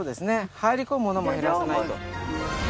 入り込むものも減らさないと。